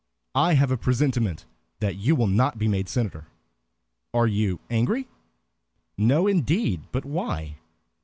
I have a presentiment that you will not be made senator. Are you angry?" "No indeed. But why?"